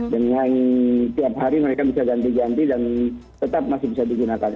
dengan tiap hari mereka bisa ganti ganti dan tetap masih bisa digunakan